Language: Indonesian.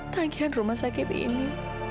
tagihan rumah sakit ini